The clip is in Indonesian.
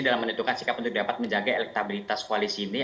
dalam menentukan sikap untuk dapat menjaga elektabilitas koalisi ini